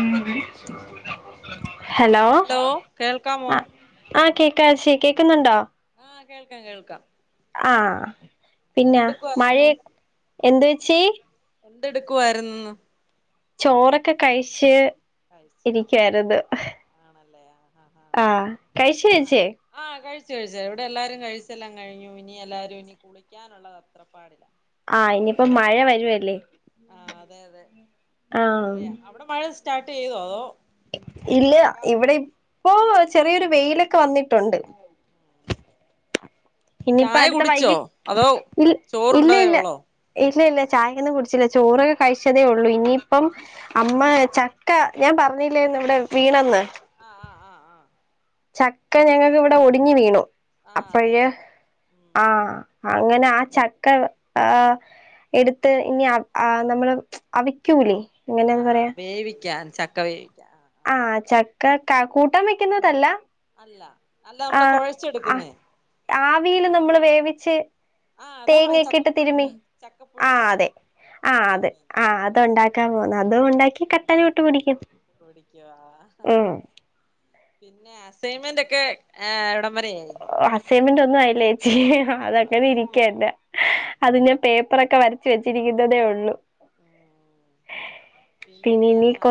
Hello hello hello കേൾക്കാമോ അ ആഹ് കേക്കാം പക്ഷെ കേക്കുന്നുണ്ടോ? ആഹ് കേൾക്കാം കേൾക്കാം. ആഹ് പിന്നാ എന്തെടുക്കുവായിരുന്നു മഴേ എന്തേച്ചി? എന്തെടുക്കുവായിരുന്നുന്ന്? ചോറൊക്കെ കഴ്‌ച്ച് കഴിച്ച് ആഹ് ആണല്ലേ ആഹ് ആഹ് കഴിച്ച് മ കഴിച്ച് ആഹ് കഴിച്ചു കഴിച്ച് ഇവിടെ എല്ലാരും കഴിച്ചെല്ലാം കഴിഞ്ഞു ഇനി എല്ലാരും ഇനി കുളിക്കാനുള്ളത് തത്ര പാടില ആഹ് ഇനിയിപ്പോ മഴ വരുവല്ലേ ആഹ് അതെ അതെ ആ മഴയ അവിടെ മഴ സ്റ്റാർട്ട് ചെയ്തോ അതോ ഇല്ല മഴക്കാറുണ്ടോ ഇവിടെ ഇപ്പോ ചെറിയൊരു വെയിലൊക്കെ വന്നിട്ടുണ്ട് ഇനിയിപ്പ ചായ അടുത്ത കുടിച്ചോ വൈകിട്ട് അതോ ഇ ഇല്ല ചോറുണ്ടതേ ഇല്ല ഉള്ളോ ഇല്ല ഇല്ല ചായയൊന്നും കുടിച്ചില്ല ചോറൊക്കെ കഴിച്ചതേ ഉള്ളൂ ഇനിയിപ്പം അമ്മ ചക്ക ഞാൻ പറഞ്ഞില്ലേന്ന് ഇവിടെ വീണന്ന് ആഹ് ആഹ് ആഹ് ആഹ് ചക്ക ഞങ്ങൾക്ക് ഇവിടെ ഒടിഞ്ഞ് വീണു ആഹ് അതെ അപ്പഴേ അതെ ഉം ആഹ് അങ്ങനെ ആ ചക്ക ആഹ് എടുത്ത് ഇനി ആ നമ്മള് അവക്കൂലേ ആഹ് ആഹ് വേവിക്കാൻ ചക്ക വേവിക്കൻ ആഹ് ചക്ക കൂട്ടാൻ വെക്കുന്നതല്ല അല്ല അല്ല ആ നമ്മള് ആ കൊഴച്ചെടുക്കുന്നേ ആവിൽ നമ്മള് വേവിച്ച് ആഹ് അതാ തേങ്ങ പറയാ ഒക്കെ ഇട്ട് തിരുമി ചക്കപ്പുഴുക്ക് ആഹ് ചക്കപ്പുഴുക്ക് അതെ ആഹ് അതെ ആഹ് അത്ണ്ടാക്കി ക്കാൻ പോവാ അതും ഉണ്ടാക്കി കട്ടനിട്ട് കുടിക്കും കുടിക്കും ഉം ആഹ് പിന്നെ അസൈൻമെന്റ് ഒക്കെ ആഹ് എവിടം വരയായി അസൈൻമെന്റ് ഒന്നും ആയില്ല ചേച്ചി അതങ്ങനെ ആഹ് ഇരിക്കന്റെ അത് ഞാൻ പേപ്പറൊക്കെ വരച്ച് വെച്ചിരിക്കുന്നതേ ഉള്ളു പിന്നേന്നാ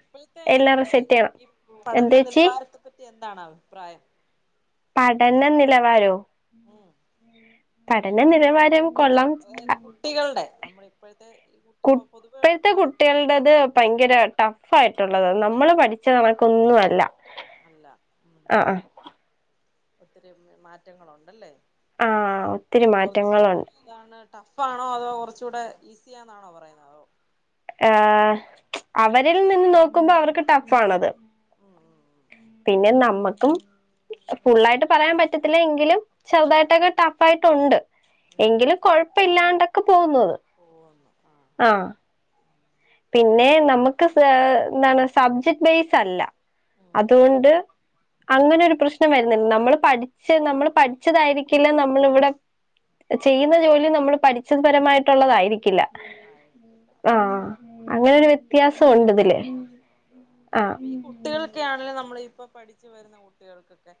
ഇപ്പോഴത്തെ എല്ലാം നമ്മുടെ റിസെറ്റ് ചെയ്യണം ഈ പഠന എന്തേച്ചി നിലവാരത്തി പറ്റി എന്താണ് അഭിപ്രായം പഠന നിലവാരോ ഉം പഠന നിലവാരം ഇപ്പോഴത്തെ കൊള്ളാം അതായത് കുട്ടികളുടെ നമ്മളെ ഇപ്പോഴത്തെ കു കുട്ടുമ്പോ പൊതുവെ ഇപ്പഴത്തെ ആഹ് കുട്ടികളടത് ഭയങ്കര ടഫ് ആയിട്ടുള്ളതാ നമ്മള് പഠിച്ചത് നമക്ക്ന്നുമല്ല അല്ല ഉം ഒത്തിരി മാറ്റങ്ങളുണ്ടല്ലേ ആ ഒത്തിരി [unintelligible] മാറ്റങ്ങളുണ്ട് എന്താണ് ടഫാണോ അതോ കുറച്ചുകൂടെ ഈസിയാന്നാണോ പറയുന്നത് അതോ ആഹ് അവരിൽ നിന്ന് നോക്കുമ്പോ അവർക്ക് ടഫ് ആണത് ഉം ഉം ഉം പിന്നെ നമ്മുക്കും ഫുള്ളായിട്ട് പറയാൻ പറ്റത്തില്ല എങ്കിലും പറ്റത്തില്ല ചെറുതായിട്ടൊക്കെ ടഫ് ടഫായിട്ടുണ്ട് ഉം എങ്കിലും കൊഴപ്പ ഇല്ലാണ്ടൊക്കെ പോകുന്നത് ആഹ് പിന്നെ നമുക്ക് എന്താണ് സബ്ജക്ട് ബേസ് അല്ല ഉം അതുകൊണ്ട് അങ്ങനെ ഒരു പ്രശ്നം വരുന്നുണ്ട് നമ്മള് പഠിച്ച നമ്മൾ പഠിച്ചതായിരിക്കില്ല നമ്മളിവിടെ ഉം ചെയ്യുന്ന ജോലി നമ്മള് പഠിച്ചപരമായിട്ടുള്ളതായിരിക്കില്ല ആഹ് അങ്ങനെരു വ്യത്യാസം ഉണ്ട് ഇതില് ആഹ് കുട്ടികൾക്കൊണെങ്കലും നമ്മളെ ഇപ്പോ പഠിച്ചു വരുന്ന കുട്ടികൾക്കൊക്കെ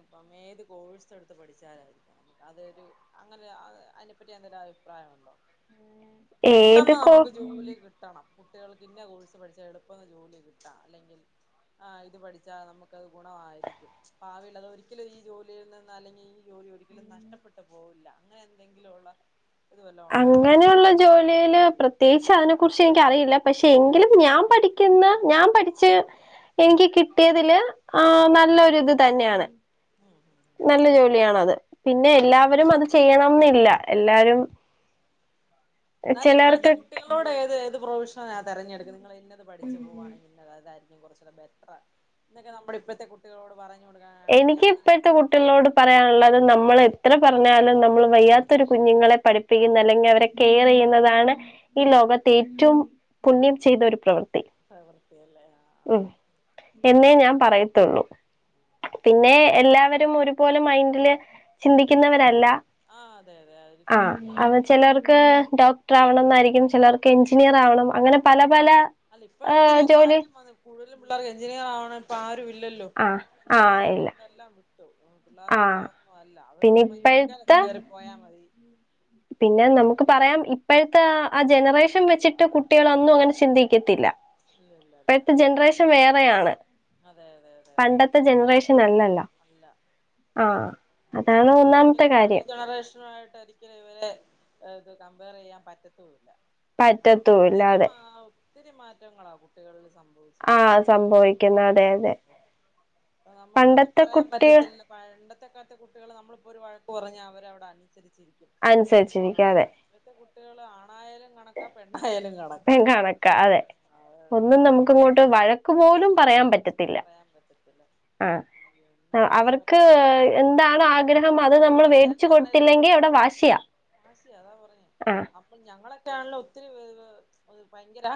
ഇപ്പം ഏത് കോഴ്‌സ് എടുത്ത് പഠിച്ചാലാ അതൊരു അങ്ങനെ അതിനെപ്പറ്റി എന്തൊരു അഭിപ്രായം ഉണ്ടോ ഏത് പെട്ടെന്ന് കോ നമുക്ക് ജോലി കിട്ടണം കുട്ടികൾക്ക് ഇന്നെ കോഴ്സ് പഠിച്ചാ എളുപ്പം ജോലി കിട്ടാ അല്ലെങ്കിൽ ആഹ് ഇത് പഠിച്ചാൽ നമുക്കത് ഗുണമായിരിക്കും ഭാവില്ലത് ഒരിക്കലും ഈ ജോലിയിൽ നിന്ന് അല്ലെങ്കിൽ ഈ ജോലി ഒ രിക്കലും നഷ്ടപ്പെട്ട് പോകില്ല അങ്ങനെ എന്തെങ്കിലും ഉള്ള [inaudible] ഇത് വല്ലതും ഉണ്ടോ അങ്ങനെയുള്ള ജോലിൽ പ്രത്യേകിച്ച് അതിനെ കുറിച്ച് എനിക്കറിയില്ല പക്ഷെ എങ്കിലും ഞാൻ പഠി ഠിക്കുന്ന ഞാൻ പഠിച്ച് എനിക്ക് കിട്ടിയതില് ആ നല്ലൊരു ഇത് തന്നെയാണ്. ഉം ഉം ഉം നല്ല ജോലിയാണത്. പിന്നെ ആഹ് എല്ലാവരും അത് ചെയ്യണംന്നില്ല എല്ലാരും. [inaudible] എന്നാൽ ഇപ്പോഴത്തെ ചിലർക്ക് കുട്ടികളോട് ഏത് ഏത് പ്രൊവിഷനലാ തെരഞ്ഞെടുക്കുന്നത് നിങ്ങൾ ഇന്നത് പഠിച്ച്പോവുകവാങ്കിൽ. അതായിരിക്കും കുറച്ചൂടെ ബെറ്റർ എന്നൊക്കെ നമ്മുടെ ഇപ്പഴത്തെ കുട്ടികളോട് പറ. എനിക്ക് ഇപ്പോഴത്തെ കു ട്ടികളോട് പറയാനുള്ളത് നമ്മൾ എത്ര പറഞ്ഞാലും നമ്മൾ വയ്യാത്തൊരു കുഞ്ഞുങ്ങളെ പഠിപ്പി പ്പിക്കുന്നത് അല്ലെങ്കിൽ അവരെ കെയർ ചെയ്യുന്നതാണ്. ഈ ലോകത്ത് ഏറ്റവും പുണ്യം ചെയ്ത ഒരു പ്രവൃത്തി. പ്രവൃത്തിയല്ലേ ആഹ്. ആഹ് ഉംഹ് എന്നേ ഞാൻ പറയത്തുള്ളൂ. പിന്നെ എല്ലാവരും ഒരുപോലെ മൈന്ഡില്. അതെ അതെ ചിന്തിക്കുന്നവരല്ല ആ അതെ അതെ ഒരിക്കലും ആഹ് അങ്ങനെ അവ ആയിരിക്കത്തില്ല ചെലവർക്ക് ഡോ ക്ടർ ആവണം എന്നായിരിക്കും ചെലർക്ക് എഞ്ചിനീയർ ആവണം അങ്ങനെ പല പല. അല്ല ഇപ്പ ഏഹ് ഒത്തിരി ജോലി മാറ്റം വന്നു കൂടുതലും പിള്ളേർക്ക് എഞ്ചിനീയർ ആവണ പ്പൊ ആരും ഇല്ലല്ലോ. ആഹ് ആഹ് ഇല്ല പിള്ളേർക്കിപ്പ ആഹ് അതൊന്നും അല്ല പിന്നെ അവർക്കിപ്പം യു കെ ലങ്ങ് ഇപ്പോഴത്തെ കേറി പോയാ മതി. പിന്നെ നമുക്ക് എന്നുള്ളൊരു വൈ പറയാം. ഇപ്പഴത്തെ ആഹ് ജനറേഷൻ വെച്ചിട്ട് കുട്ടികൾ അന്നും അങ്ങനെ ചിന്തിക്കത്തില്ല. ഇല്ല ഇല്ല ഇല്ല ഇപ്പഴത്തെ ജനറേഷൻ വേറെയാണ്. അതെ അതെ അതെ അതെ പണ്ടത്തെ ജനറേഷൻ അല്ലല്ല ആഹ് അതേ അതാണ് ഒന്നാമത്തെ അതൊരിക്കലും പഴയ കാര്യം ജനറേഷനു ആയിട്ട് എനി. ക്ക് ഇവരെ ഇത് കമ്പയർ ചെയ്യാൻ പറ്റത്തല്ല പറ്റത്തൂല്ല ഒത്തിരി അതെ മാ. ഒത്തിരി മാറ്റങ്ങളാണ് കുട്ടികളിൽ സംഭവി. ആഹ് സംഭവിക്കുന്നു അതെ അതെ പണ്ടത്തെ കുട്ടി. പണ്ടത്തക്കാലത്തെ കുട്ടികൾ നമ്മളിപ്പോൾ ഒരു വഴക്ക് പറഞ്ഞാൽ അവര് അവിടെ അനുസരിച്ചിരിക്കും. അനുസരിച്ചിരിക്കും അതെ. ഇപ്പത്തെ കുട്ടികൾ ആണായാലും ക. കണക്ക അതെ അത് ഒന്നും നമുക്ക് ഇങ്ങോട്ട് വഴ. ക്ക് പോലും പറയാൻ പറ്റി. പറയാൻ പറ്റത്തില്ല. ഒുന്നും പറയാൻ അവർക്ക് പറ്റത്ത ഒരു എന്താണ് കാലഘട്ടത്തിലുള്ളവ ആഗ്രഹം അത് ഇപ്പോ നമ്മൾ വേടിച്ചു പേരന്റാണേലും. കൊടുത്തില്ലെങ്കി അവിടെ വാശിയാ വാശിയ അതാ പറഞ്ഞെ ആ അപ്പൾ ഞങ്ങളൊക്കെയാണല്ലോ ഒത്തിരി വേദ. അത് ഭയങ്കര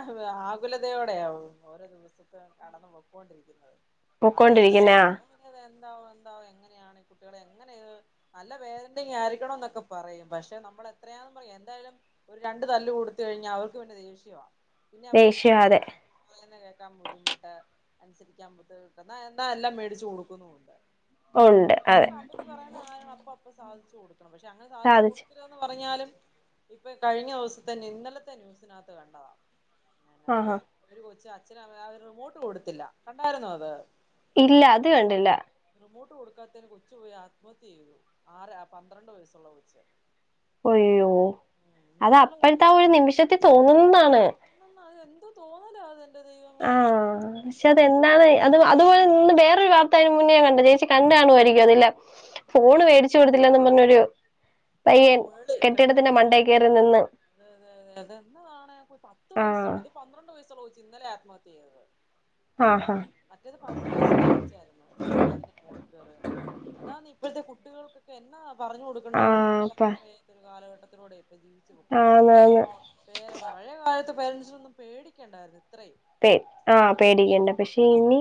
ആകുലതയോടെയാവും ഓരോ ദിവസത്തേം കടന്നു പോക്ക്. ക്കോണ്ടിരിക്കുന്നത് കാരണം എന്ത പൊക്കൊണ്ടിരിക്കുന്ന ആ [inaudible] എന്താവും എന്താവും എങ്ങനെയാണ് കുട്ടികളെ എങ്ങനെ. നല്ല പേരന്റിങ്ങ് ആയിരിക്കണം ന്നൊക്കെ പറയും പക്ഷെ നമ്മൾ എത്രയാണെന്ന് പറഞ്ഞ് എന്തായാലും ഒരു രണ്ടു തല്ല് കൊടുത്ത് കഴിഞ്ഞാൽ അവർക്ക് പിന്നെ ദേഷ്യവ പിന്നെ അവര്ന് ദേഷ്യം അതെ [inaudible] കേൾക്കാൻ ബുദ്ധിമുട്ട്. അനുസരിക്കാൻ ബുദ്ധിമുട്ട് എന്താ എല്ലാം മേടിച്ച് കൊടുക്കുന്നുണ്ട്. ഉണ്ട് അതെ. പറയുന്ന ആഗ്രഹം അപ്പൊ അപ്പ സാധിച്ച് കൊടുക്കണം പക്ഷെ അങ്ങനെ സാധിച്ചു കൊടുക. ടുക്കന്ന് പറഞ്ഞാലും ഇപ്പൊ കഴിഞ്ഞ ദിവസത്തെന്ന ഇന്നലത്തെ ന്യൂസിനകത്ത് കണ്ടതാ എന്നാ ആഹാ ഒര് കൊച്ച് അച്ഛന അവര് റിമോട്ട് കൊടുത്തില്ല കണ്ടായിരുന്നോ അത്. ഇല്ല അത് കണ്ടില്ല റിമോട്ട് കൊടുക്കാത്തതിന് കൊച്ചു പോയി ആത്മഹത്യ ചെയ്തുആരാ പന്ത്രണ്ട് വയസ്സുള്ള കൊച്ച്. അയ്യോ ഉം അത് ഇങ്ങനെയുള്ള അപ്പോഴത്തൊ ഒരു നിമിഷത്തിൽ തോന്നുന്നാണ് എന്തുന്നാ അത് എന്തു തോന്നല അത് എന്റെ ആ ദൈവമേ. പക്ഷെ അതെന്താണ് അത് അതുപോലെ ന്ന് വേറൊരു വാർത്ത അതിന് മുന്നേ ഞാൻ കണ്ട് ചേച്ചി കണ്ടു കാണുകാരിക്കും അത് ല്ലേ ഫോണ് വേടിച്ചു കൊടുത്തില്ലന്ന് പറഞ്ഞൊരു ആ പയ്യൻ മേള് കെട്ടിടത്തിന്റെ മണ്ടയ മേള് കേറി നിന്ന് അതെ അതെ അതെ എന്നതാണ് ഒരു അതെ അതെപത്ത് വയസ്സുള്ളൂ ആഹ് ഇത് പന്ത്രണ്ട് വയസ്സുള്ള കൊച്ച് ഇന്നലെ ആത്മഹത്യ ചെയ്തതാ ആഹ് ഹാ മറ്റേത് പത്ത് വയസ്സുള്ള കൊച്ചായിരുന്നു കെട്ടിടത്തിന് മോളിൽ കേറി നിന്നത അതാന്ന് ഇപ്പോഴത്തെ കുട്ടികൾക്കൊക്കെ എന്നാ പറഞ്ഞു കൊടു ആഹ് ഇപ്പൊന്നും അപ്പ പറയാന്മയ്യാത്ത ഒരു കാലഘട്ടത്തിലൂടെ ഇപ്പ ജീവിച്ചു പോക്കൊണ്ടിരിക്കുന്ന ആന്നാന്ന് പേര പഴയ കാലത്ത് പേരൻസിനൊന്നും പേടിക്കേണ്ടായിരുന്നു ഇത്രയും പേ ആഹ് പേടിക്കണ്ട പക്ഷേ ഇനി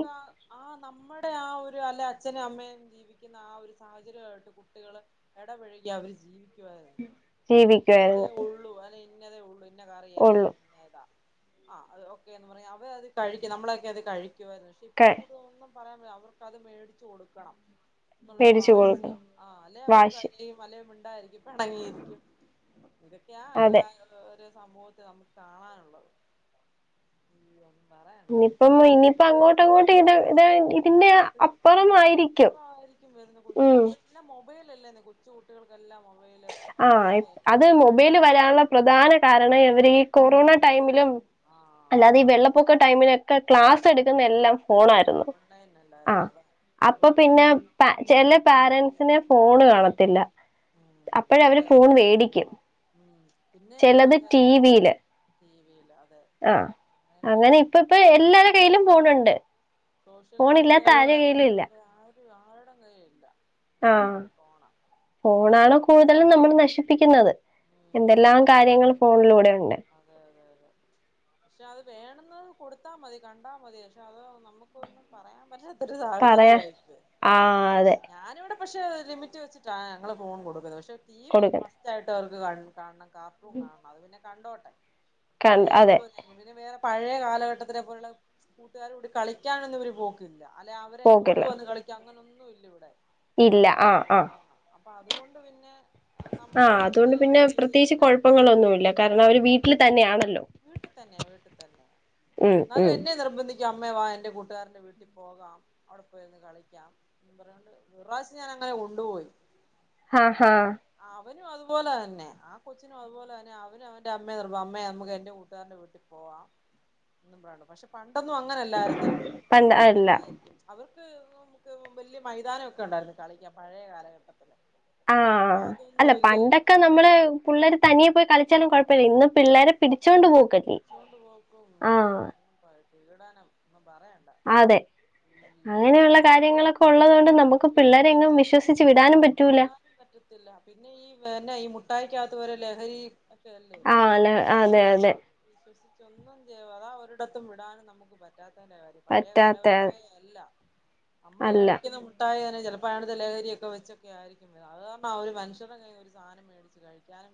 ആഹ് നമ്മുടെ ആ ഒരു അല്ല അച്ഛനും അമ്മയും ജീവി ജീവിക്കുന്ന ആ ഒരു സാഹചര്യമായിട്ട് കുട്ടികള് ഇടപഴകി അവര് ജീവി ക്കുവായിരുന്നു അല്ലെ ഇതേ ജീവിക്കുവായിരുന്നു ഉള്ളു അല്ലെ ഇന്നതേ ഒള്ളു ഇന്ന കറിയാ ഉള്ളു അല്ലെങ്കി അത ആഹ് അത് ഓക്കേന്ന് പറയാ അവ അത് കഴിക്കും നമ്മളൊക്കെ അത് കഴിക്കുവായിരുന്ന് ക്കെ ഇപ്പഴത്തെ കുട്ടികളൊന്നും പറയാൻല്ല അവർക്കത് മേടിച്ച് കൊടുക്കണം എന്നുള്ളൊരു മേടിച്ചു വാഷ്യ കൊടുക്കണം ആ അല്ലെ അവര് വാശി കരയും അല്ലെ മിണ്ടാതിരിക്കും പെണങ്ങിരിക്കും ഇതൊക്കെയാ ക അതെ ഒരു സമൂഹത്തി നമുക്ക് കാണാനുള്ളത് യ്യോ ഒന്നും പറ ഇനിയിപ്പം ഇനിയിപ്പ അങ്ങോട്ട് അങ്ങോട്ട് ഇത ഇതന്റ ഇതിന്റെ അപ്പുറായിരിക്കും വരുന്ന കൊച്ചു ഉം ഉപ്പയ് എന്നാ മൊബൈല അല്ലേനെ കൊച്ചുകുട്ടികൾക്കെല്ലാം മൊബൈല് ആ അല്ലേ അത് മൊബൈല് വരാനുള്ള പ്രധാന കാരണ അവര് ഈ കൊറോണ ടൈമിലും ആഹ് അല്ലാതെ ഈ അതാണ് വെള്ളപ്പൊക്ക ടൈമിനൊക്കെ ക്ലാസ് എടുക്കുന്ന എല്ലാം ആഹ് അല്ല ഫോണായിരുന്നു ഓൺലൈൻ അല്ലായിരുന്നോ ആഹ് അതോ അപ്പൊ അതുകൊണ്ടാണ് പിന്നെ പ ചെല പാരനൻസിന് ഫോണ് കാണത്തില്ല ഉം അപ്പഴ അവര് അതെ ഫോൺ അതെ അതെ വേടിക്കും ഉം പിന്നെ ചെലത് അതെ അതെ ടിവിയില് ടി വിയില് അതെ ആഹ് അങ്ങനെ അങ്ങനെയൊക്കെയുള്ള ഇപ്പ ഇപ്പ എല്ലാര കയ്യിലും സോഷ്യൽ ഫോണുണ്ട് സോഷ്യൽ ഫോണില്ലാത്ത ആരെ മീഡിയയിലൂടെ കയ്യിലും ഇല്ല അത് ആ ഇപ്പൊ ആരടെ കയ്യിൽ ഇല്ല ആഹ് എല്ലാവർക്കും ഫോണ ഫോണാണ് കൂടുതലും നമ്മളെ നശിപ്പിക്കുന്നത് ഉം എന്തെല്ലാം കാര്യങ്ങൾ ഫോണിലൂടെ ഉണ്ട് [inaudible] അതെ അതെ അതെ പക്ഷെ അത് വേണെന്നത് കൊടുത്താ മതി കണ്ടാ മതി പക്ഷെ അത് നമുക്കൊന്നും പറയാൻ പറ്റാത്ത ത്ത ഒരു പറയാ സാഹചര്യാ ഇത് ആഹ് അതെ ഞാന് ഇവടെ പക്ഷേ ലിമിറ്റ് വെച്ചിട്ടാണ് ഞങ്ങള് ഫോൺ കൊടുക്കുന്നത് പക്ഷേ ടി വി കൊടുക്കുന്നു മസ്റ്റ് ആയിട്ട് അവർക്ക് കാണണം കാർട്ടൂൺ കാണണം അത് പിന്നെ കണ്ടോട്ടെ ക പിന്നെ അതേ അതെ ഉള്ളൂ അയ്ന ഇവര് വേറെ പഴയ കാലഘട്ടത്തിലെ പോലുള്ള കൂട്ടുകാരൂടി കളിക്കാനൊന്നും ഇവര് പോക്കില്ല അല്ലെ അവരെ ഇങ്ങോട്ട് പോകില്ല വന്ന് കളിക്കാ അങ്ങനൊന്നും ഇല്ല ഇവിടെ ഇല്ല ഇവിടെ ആഹ് ആഹ് ആ അപ്പൊ അതുകൊണ്ട് പിന്നെ നമ്മള് ആഹ് അതുകൊണ്ട് ഇങ്ങനെ ഒരു പിന്നെ രീതിയിൽ പ്രത്യേകിച്ച് അങ്ങനെ കുഴപ്പങ്ങളൊന്നുമില്ല കാരണം കുഴപ്പ അവര് വീട്ടില് ആ തന്നെയാണല്ലോ വീട്ടിൽ തന്നെയ ഉം ഉം ഇപ്പ നിർബന്ധിക്കും അമ്മേ വാ എന്റെ കൂട്ടുകാരന്റെ വീട്ടിൽ പോകാം അവിടെ പോയിന്ന് കളിക്കാം എന്ന് പറയണ്ട് ഇറാശ്യം അങ്ങനെ കൊണ്ടുപോയി ആഹ് ആഹ് അവനും അതുപോലെ തന്നെ ആ കൊച്ചിനു അതുപോലെ തന്നെ ആ അവന് അവൻ്റെ അമ്മയെ നിർബ അമ്മേ നമുക്ക് എൻ്റെ കൂട്ടുകാരന്റെ വീട്ടിപോവാം എന്നും പറഞ്ഞ് പക്ഷെ പണ്ടൊന്നും അങ്ങനെല്ലാരുന്നല്ലോ പണ്ട് അല്ല അതുകൊണ്ടൊക്കെ ആയിരി അവർക്ക് നമുക്ക് വലിയ മൈതാനൊക്കെ ഉണ്ടായിരുന്നു കളിക്കാൻ പഴയ കാലഘട്ടത്തില് ഇപ്പൊ ആഹ് അതൊന്നു അല്ല ഇല്ലല്ലോ പണ്ടൊക്കെ നമ്മള് പുള്ളേര് തനിയെ പോയി കളിച്ചാലും കുഴപ്പമില്ല ഇന്ന് പിള്ളേര് പിടിച്ചോണ്ട് അത് പോക്കല്ലെ ആഹ് ഇപ്പ പീഡനം ഒന്നും പറയണ്ട അതെ അയ്യോ അങ്ങനെയുള്ള കാര്യങ്ങളൊക്കെ, പ്പൊ ഉള്ളതുകൊണ്ട് കാലങ്ങളൊക്കെ നമുക്ക് പേടിയാ പിള്ളേരെങ്ങും പേരൻസ് വിശ്വസിച്ച് വിടാനും പറ്റൂല, വിടാനും പറ്റത്തില്ല, പിന്നെ ഈ പിന്നെ ഈ മുട്ടായിക്കാകത്ത വരെ ലഹരി, ല്ലെ, ആഹ് അല്ല അല്ലെ അതെ അതെ വിശ്വസിച്ച ഒന്നും ചെയ്യ അതാ ഒരിടത്തും വിടാനും നമുക്ക് പറ്റാത്തന്റെ കാര്യം പഴയ പറ്റാത്ത കാലഘട്ട അല്ല, നമ്മള് അല്ല കഴിക്കുന്ന മു ട്ടായെനെ ചിലപ്പോഴാണ് ലഹരിയൊക്കെ വെച്ചക്ക ആയിരിക്കും അത് കാരണം ഒരു മനുഷ്യടെ കയ്യിന്ന് ഒരു സധനം മേ ടിച്ചു കഴിക്കാനും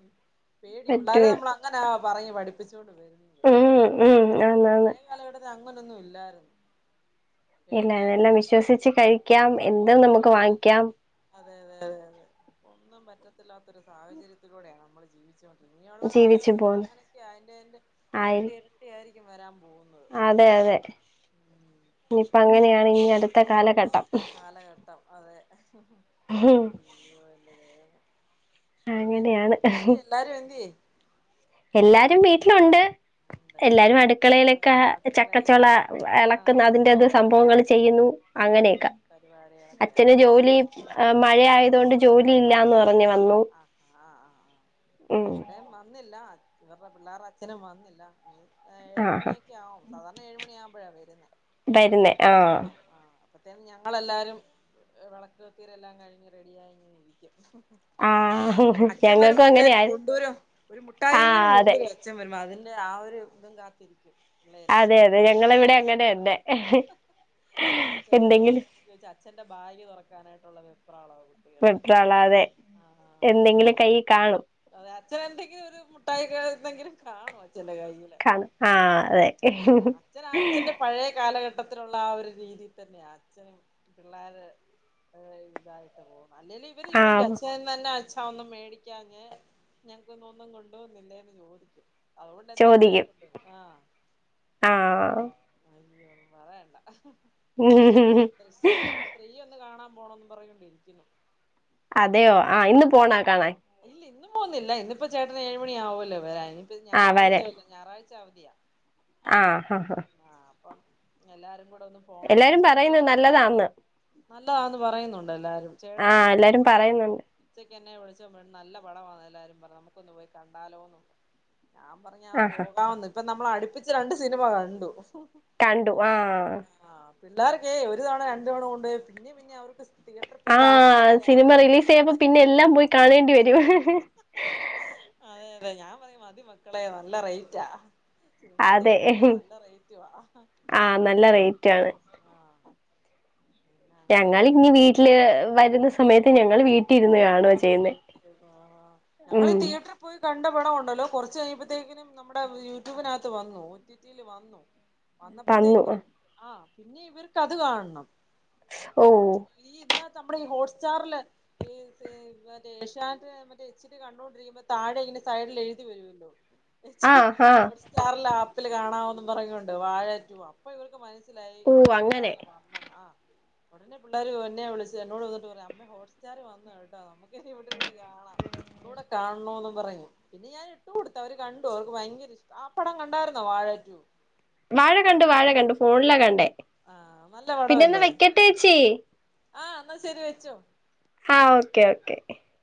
പേടി പിള്ളേരെ പറ്റൂല നമ്മൾ അങ്ങനെ പറഞ്ഞ് പഠിപ്പിച്ചോണ്ട് വരുന്നെ, ഉം ഉം ആന്നന്ന്, അക്കാലഘട്ടത്ത് അങ്ങനൊന്നും ഇല്ലായിരുന്നു, ഇല്ല പേടിക്കാതെ ഇതെല്ലാം ജീവിക്കായിരുന്നു വിശ്വസിച്ച് കഴിക്കാം, എന്തും നമുക്ക് കഴിക്കാൻ വാങ്ങിക്കാം, അതെ അതെ അതെ അതെ ഒന്നും പറ്റത്തില്ലാത്തൊരു സാഹചര്യത്തിലൂടെയാണ് നമ്മൾ ജീവി ഇനിയുള്ള ജീവിച്ചു കാലഘട്ടങ്ങൾ പോന്ന് അങ്ങനെയൊക്കെ അയിന്റെ അയിന്റെ ആയിരി ഇരട്ടി ഇരട്ടി ആയിരിക്കും വരാൻ പോകുന്നത്, അതെ അതെ, ഉം ഇനിയിപ്പ അങ്ങനെയാണ് ഇനി അടുത്ത കാലഘട്ടം, കാലഘട്ടം, അതെ, ഹും അയ്യോ എന്റെ ദൈവമേ പിന്നെ അങ്ങനെയാണ് എന്ത്യെ എല്ലാരും എന്ത്യെ? എല്ലാരും വീട്ടിലുണ്ട്, ഉണ്ട് എല്ലാരും അടുക്കളയിലൊക്കെ ഓരോരോ ചക്കച്ചോള അടുക്കളയിലേക്കുള്ള ഇളക്കുന്ന ആഹ് അതിന്റെത് സംഭവങ്ങൾ ചെയ്യുന്നു, ചെയ്യുന്ന അങ്ങനെയൊക്ക, അച്ഛന് പരിപാടികളൊക്കെയാല്ലേ ജോലി മഴ ആയത് കൊണ്ട് ജോലി ഇല്ലാന്ന് പറ റഞ്ഞു വന്നു, ആഹ് ആഹ് ആഹ് ഉം ആഹ് ഇവിടെയും വന്നില്ല, ഇന്നപ്പം പിള്ളേരു അച്ഛനും വന്നില്ല, ആഹ് ഏഴുമണിക്കെ ആവും സാധാരണ ഏഴുമണിക്കാമ്പോഴാണ് വരുന്നത്, വരുന്നേ, ആഹ് ആഹ് അപ്പത്തേന് ഞങ്ങളെല്ലാരും വിളക്ക്കത്തിരെ എല്ലാം കഴിഞ്ഞ് റെഡിയായി, ഞ്ഞ് ങ്ങെനെരിക്കും, ആഹ് അച്ഛൻ വരുമ്പോ ഞങ്ങൾക്കും എന്തേലും അങ്ങനെയാ കൊണ്ടോരോ ഒരു മുട്ടായെങ്കിലും ആഹ് അതെ കൊണ്ടുവര ച്ചൻ വരുമ്പോ അതിന്റെ ആ ഒരു ഇതും കാത്തിരിക്കും, പിള്ളേര് അതെ അതെ, ഞങ്ങള് ഇവിടെ അങ്ങനെന്നെ, എന്നെ അച്ഛൻ കൊണ്ടുവോന്നെ ചോദിച്ചാ അച്ഛന്റെ ഭാഗ് തുറക്കാനായിട്ടുള്ള വെപ്രാളവുള്ളു, വിപ്രാളാതെ എന്തെങ്കിലും കൈ കാണും, അതെ അച്ഛനന്തെങ്കിലും ഒരു മുട്ടായിക്ക എന്തെങ്കിലും കാണോ അച്ഛന്റെ കയ്യിൽ, കാണും ആഹ് അതെ അച്ഛൻ അച്ഛന്റെ പഴയ കാലഘട്ട പ്പത്തിള്ള ആ ഒരു രീതിയിൽ തന്നെ അച്ഛനും, പിള്ളോര് ഇതായിട്ട് പോണ്, അല്ലെല് ഇവര് ചോദിക്കും ആഹ് അച്ഛൻ, അന്നെ അച്ഛാ ഒന്നും മേടിക്കാഞ്ഞ ഞങ്ങക്ക് ഇന്ന് ഒന്നും കൊണ്ടോന്നില്ലേന്ന് ചോദിക്കു, അതുകൊണ്ട് എന്തെങ്കിലും ചോദിക്കും കൊണ്ടോരും, ആഹ്, അയ്യോ, പറയണ്ട, ഇനിപ്പം ആഹ് ദൃശ്യം ത്രീ ഒന്ന് കാണാൻ പോണന്ന് പറഞ്ഞോണ്ട് ഇരിക്കുന്നു, അതെയോ, ആഹ് ഇന്ന് പോണൊ കാണാൻ? ഇല്ല ഇന്ന് പോകന്നില്ല ഇന്നിപ്പോ ചേട്ടന് ഏഴുമണി ആവുവല്ലോ വരാൻ, ഇനിപ്പ ആ ഞായറാഴ്ചല്ലോ ഞായറാഴ്ച അവധിയാ, ആഹ് ഹ ഹാ, ആഹ് അപ്പം എല്ലാരും കൂടെ ഒന്നു എല്ലാരും പറയുന്നുണ്ട് നല്ലതാണ്ന്ന്, നല്ലതാന്ന് പറയുന്നുണ്ട് എല്ലാരും ആ ചേട്ടനും, എല്ലാരും പറയുന്നുണ്ട് ഉച്ചയ്ക്ക് എന്നെ വിളിച്ചപ്പ നല്ല പടമാണ് എല്ലാവരും പറഞ് നമുക്കൊന്ന് പോയി കണ്ടാലോന്ന്, ഞാൻ പറഞ് ആഹാ പോകാന്ന് ഇപ്പ നമ്മള അടുപ്പിച്ച് രണ്ട് സിനിമ കണ്ടു, കണ്ടു ആഹ്, പിള്ളേർക്കെ ഒരു തവണ രണ്ട് തവണ കൊണ്ടോയി പിന്നേം പിന്നേം അവർക്ക്, തിയേറ്ററിൽ പോയി ആഹ് കാണണംന്നുള്ളൊരാ സിനിമ റിലീസ് ചെയ്യുമ്പോ പിന്നെ എല്ലാം പോയി കാണേണ്ടി വരും, അതെ അതെ, ഞാൻ പറയും മതിമക്കളെ നല്ല റേറ്റാ. സിനിമാ തിയേറ്റർ അല്ലേ നല്ല റേറ്റവാ ആഹ് നല്ല റേറ്റ് ആണ് ആഹ് പിന്നെ അങ്ങനെ ഞങ്ങളിങ് വീട്ടില് വരുന്ന സമയത്ത് ഞങ്ങൾ വീട്ടിരുന്ന് കാണുവാ ചെ വീട്ടിലിരുന്ന് കാണാ ഞങ്ങള് തിയേറ്റർ പോയി കണ്ട പടമുണ്ടല്ലോ കുറച്ച് കഴിയുമ്പഴത്തേക്കും നമ്മടെ യൂട്യൂബിനകത്ത് വന്നു ഒറ്റി യിൽ വന്നു വന്നു വന്നപ്പോത്തേക്കിനും ആഹ് പിന്നെ ഇവർക്ക് അത് കാണണം ഓ ഈ ഇതിനകത്ത് നമ്മുടെ ഈ ഹോട്ട്സ്റ്റാറില് ഈ മറ്റേ ഏശ്യാനെറ് മറ്റേ എച്ചി ടി കണ്ടുകൊണ്ടിരിക്കുമ്പോ താഴെ ഇങ്ങനെ സൈഡിൽ എഴുതി വരുവല്ലോ ആ ആ ഹോട്ട്സ്റ്റാറിൽ ആപ്പിൽ കാണാവും പറങ്ങിയൊണ്ട് വാഴ റ്റു അപ്പൊ ഇവർക്ക് മന സിലായി ഓ ഹോട് അങ്ങനെ സ്റ്റാറില് കാണാ ആഹ് ഉടനെ പിള്ളേർ എന്നെ വിളിച്ചു എന്നോട് വന്നിട്ട് പറയാ അമ്മ ഹോട്ട്സ്റ്റാർ വന്നു കേട്ടാ നമുക്ക് ഇങ്ങനെ ഇവിടെന്ന് കാണാം ഒന്നൂടെ കാണണോന്ന് പറഞ്ഞു പിന്നെ ഞാൻ ഇട്ടു കൊടുത്ത അവര് കണ്ടു അവർക്ക് ഭയങ്കര ഇഷ്ടം ആ പടം കണ്ടായിരുന്നോ വാഴ റ്റു വാഴ കണ്ടു വാഴ കണ്ടു ഫോണിലാ കണ്ടേ ആഹ് നല്ല പിന്നെ ഒന്ന് പടവല്ലേ വെക്കട്ടെ ചേച്ചി ആഹ് ന്നാ ശരി വെച്ചോ ആഹ് okay okay okay okay okay